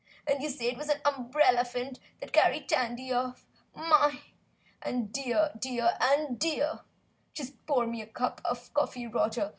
And you say it was an umbrellaphant that carried Tandy off? My! and MY! Dear, dear and DEAR! Just pour me a cup of coffee, Roger.